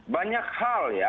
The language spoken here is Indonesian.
banyak hal ya